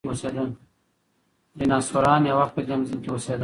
ډیناسوران یو وخت په دې ځمکه کې اوسېدل.